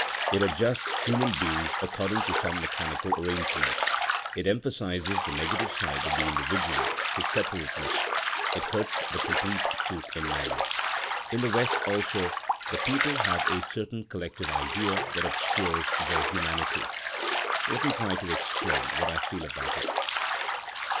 It adjusts human beings according to some mechanical arrangement. It emphasises the negative side of the individual—his separateness. It hurts the complete truth in man. In the West, also, the people have a certain collective idea that obscures their humanity. Let me try to explain what I feel about it.